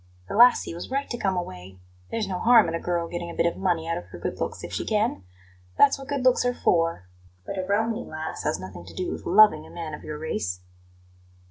The lassie was right to come away. There's no harm in a girl getting a bit of money out of her good looks if she can that's what good looks are for; but a Romany lass has nothing to do with LOVING a man of your race."